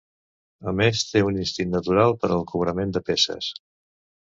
A més, té un instint natural per al cobrament de peces.